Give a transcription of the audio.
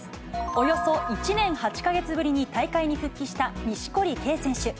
およそ１年８か月ぶりに大会に復帰した錦織圭選手。